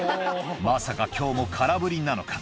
まさかきょうも空振りなのか。